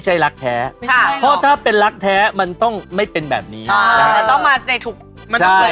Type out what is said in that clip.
ใช่มันต้องมาในถุกมันต้องเกิดร้านห้อควรถูกต้องด้วย